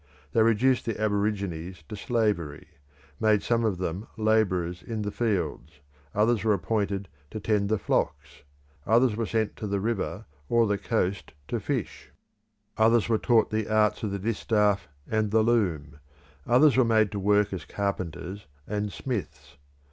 They reduced the aborigines to slavery; made some of them labourers in the fields; others were appointed to tend the flocks; others were sent to the river or the coast to fish; others were taught the arts of the distaff and the loom; others were made to work as carpenters and smiths.